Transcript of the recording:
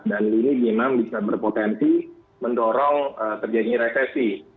dan ini memang bisa berpotensi mendorong terjadinya resesi